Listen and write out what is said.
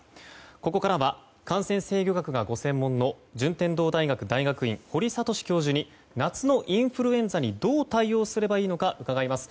ここからは感染制御学がご専門の順天堂大学大学院、堀賢教授に夏のインフルエンザにどう対応すればいいか伺います。